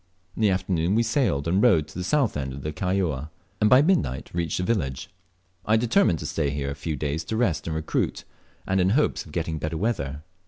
In the afternoon we sailed and rowed to the south end of Kaióa, and by midnight reached the village. I determined to stay here a few days to rest and recruit, and in hopes of getting better weather.